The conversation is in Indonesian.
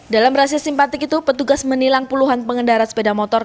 dalam razia simpatik itu petugas menilang puluhan pengendara sepeda motor